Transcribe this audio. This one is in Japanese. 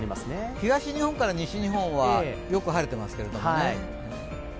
東日本から西日本は良く晴れてます。